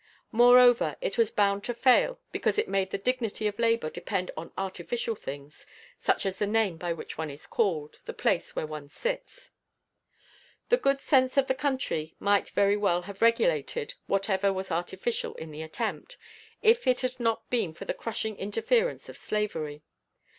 Moreover, it was bound to fail because it made the dignity of labor depend on artificial things such as the name by which one is called, the place where one sits. The good sense of the country might very well have regulated whatever was artificial in the attempt, if it had not been for the crushing interference of slavery.